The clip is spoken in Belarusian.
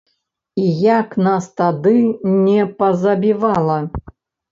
І як нас тады не пазабівала?